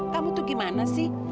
kamu tuh gimana sih